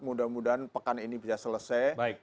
mudah mudahan pekan ini bisa selesai